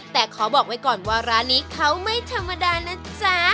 แต่ขอบอกไว้ก่อนว่าร้านนี้เขาไม่ธรรมดานะจ๊ะ